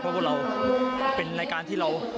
เพราะพวกเราเป็นรายการที่เรา